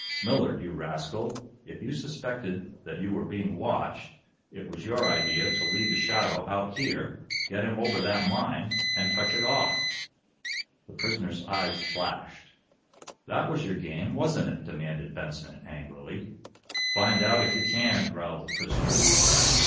Millard, you rascal, if you suspected that you were being watched, it was your idea to lead the shadow out here, get him over that mine and touch it off!" The prisoner's eyes flashed. "That was your game, wasn't it?" demanded Benson, angrily. "Find out, if you can," growled the prisoner.